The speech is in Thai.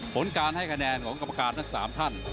ผลการให้คะแนนของกรรมการทั้ง๓ท่าน